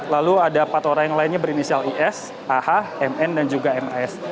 lalu ada empat orang yang lainnya berinisial is ah mn dan juga mas